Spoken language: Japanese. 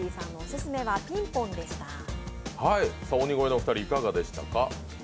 鬼越のお二人、いかがでしたか？